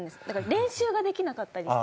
練習ができなかったりして。